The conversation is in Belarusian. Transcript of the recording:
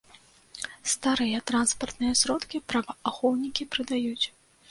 Старыя транспартныя сродкі праваахоўнікі прадаюць.